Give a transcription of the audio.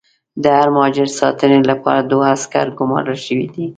د هر مهاجر ساتنې لپاره دوه عسکر ګومارل شوي دي.